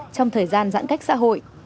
trong thời gian giãn cách xã hội